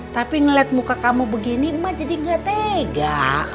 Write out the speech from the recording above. tapi ngeliat muka kamu begini mak jadi nggak tega